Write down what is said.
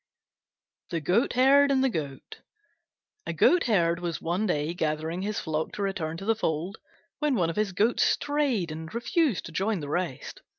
THE GOATHERD AND THE GOAT A Goatherd was one day gathering his flock to return to the fold, when one of his goats strayed and refused to join the rest.